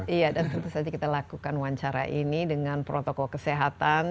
iya dan tentu saja kita lakukan wawancara ini dengan protokol kesehatan